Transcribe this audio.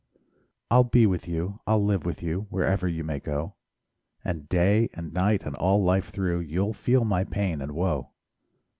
I'll be with you, I'll live with you, Wherever you may go; And day and night, and all life through You'll feel my pain and woe.